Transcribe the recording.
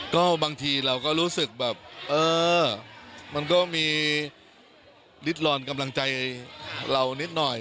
ก็บางทีเราก็รู้สึกแบบเออมันก็มีฤทร้อนกำลังใจเรานิดหน่อย